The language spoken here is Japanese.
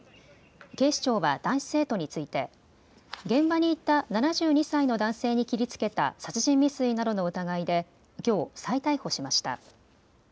警視庁は男子生徒について現場に行った７２歳の男性に切りつけた殺人未遂などの疑いできょう、再逮捕しました。